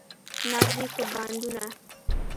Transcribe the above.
نغدې که بانډونه؟